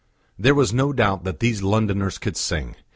There was no doubt that these Londoners could sing.